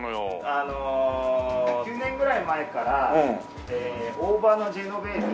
あの９年ぐらい前から大葉のジェノベーゼ。